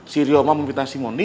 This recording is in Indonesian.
sirio mah memfitnah si mondi